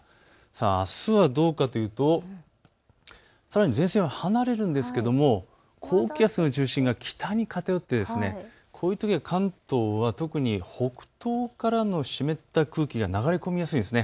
あすはどうかというとさらに前線は離れるんですけれど高気圧の中心が北に偏ってこういうときは関東は特に北東からの湿った空気が流れ込みやすいんです。